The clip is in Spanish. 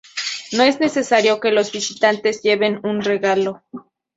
No es necesario que los visitantes lleven un regalo.